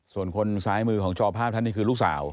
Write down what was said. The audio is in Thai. ส่วนคนซ้ายมือของจอภาพท่านนี่คือลูกสาว